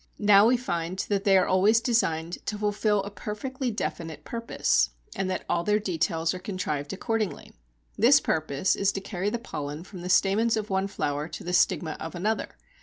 Now we find that they are always designed to fulfil a perfectly definite purpose, and that all their details are contrived accordingly. This purpose is to carry the pollen from the stamens of one flower to the stigma of another.